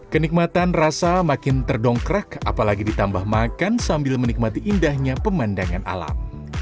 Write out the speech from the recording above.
kenikmatan rasa makin terdongkrak apalagi ditambah makan sambil menikmati indahnya pemandangan alam